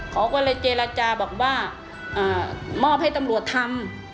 เขาก็เลยเจรจาบอกว่ามอบให้ตำรวจทำ